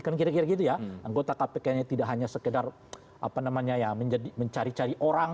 karena kira kira gitu ya anggota kpk ini tidak hanya sekedar mencari cari orang